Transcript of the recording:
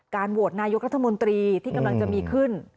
โหวตนายกรัฐมนตรีที่กำลังจะมีขึ้น